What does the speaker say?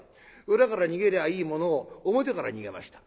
裏から逃げりゃあいいものを表から逃げました。